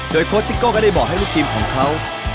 โดยโค้ชซิโก้ก็ได้บอกให้ลูกทีมของเขา